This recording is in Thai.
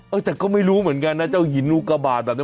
เออแต่ก็ไม่รู้เหมือนกันนะเจ้าหินอุกบาทแบบนี้